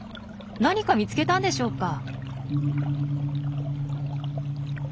何か見つけたんでしょうか？